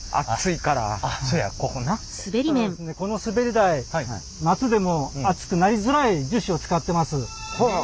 このすべり台夏でも熱くなりづらい樹脂を使ってます。